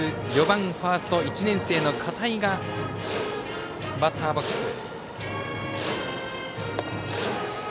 ４番ファースト、１年生の片井がバッターボックス。